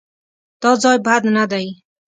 _دا ځای بد نه دی.